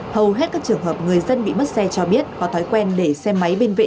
hầu hết các trường hợp người dân bị mất xe cho biết có thói quen để xe máy bên vệ